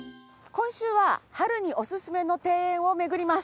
今週は春におすすめの庭園を巡ります。